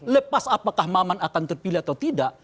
lepas apakah maman akan terpilih atau tidak